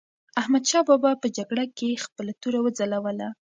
احمدشاه بابا په جګړه کې خپله توره وځلوله.